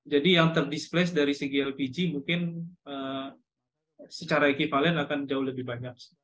jadi yang ter displace dari segi lpg mungkin secara ekipalen akan jauh lebih banyak